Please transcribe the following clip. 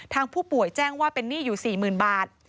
ทางผู้ป่วยแจ้งว่าเป็นหนี้อยู่๔๐๐๐บาท